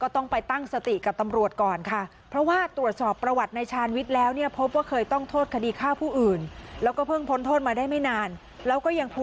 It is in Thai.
ที่พวกมันเหมือนกันนะ